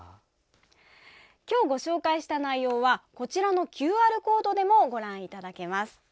今日ご紹介した内容はこちらのＱＲコードでもご覧いただけます。